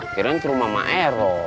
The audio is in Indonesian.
akhirnya ke rumah maeros